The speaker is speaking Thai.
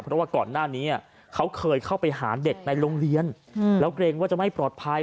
เพราะว่าก่อนหน้านี้เขาเคยเข้าไปหาเด็กในโรงเรียนแล้วเกรงว่าจะไม่ปลอดภัย